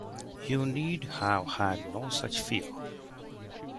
You need have had no such fear.